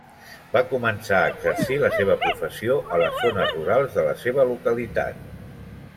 Va començar a exercir la seva professió a les zones rurals de la seva localitat.